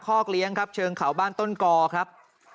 คอกเลี้ยงครับเชิงเขาบ้านต้นกอครับ